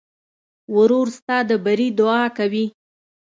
ورور ستا د بري دعا کوي.